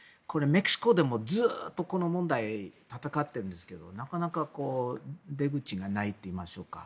メキシコでもずっとこの問題闘っているんですけどなかなか出口がないといいましょうか。